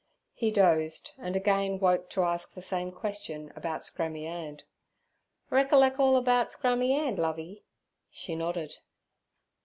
He dosed, and again woke to ask the same question about Scrammy 'And. 'Reckerlec all erbout Scrammy 'And, Lovey?' She nodded.